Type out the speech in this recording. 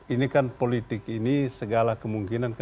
ini kan politik ini segala kemungkinan